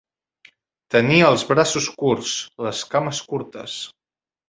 Tenir els braços curts, les cames curtes.